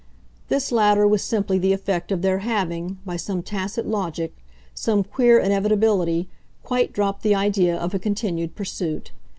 This latter was simply the effect of their having, by some tacit logic, some queer inevitability, quite dropped the idea of a continued pursuit.